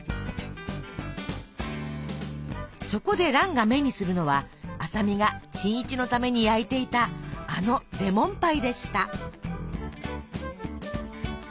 そこで蘭が目にするのは麻美が新一のために焼いていたあのレモンパイでした。